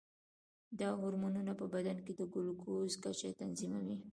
دا هورمونونه په بدن کې د ګلوکوز کچه تنظیموي.